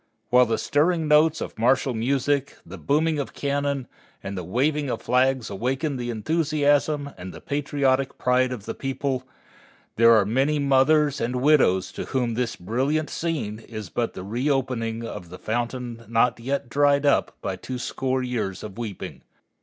While the stirring notes of martial music, the booming of cannon, and the waving of flags awaken the enthusiasm and the patriotic pride of the people, there are many mothers and widows to whom this brilliant scene is but the reopening of the fountain not yet dried up by twoscore years of weeping.